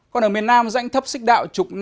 còn ở miền nam rãnh thấp xích đạo chục